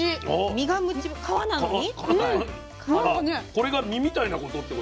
これが身みたいなことってこと？